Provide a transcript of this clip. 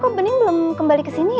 kok bening belum kembali ke sini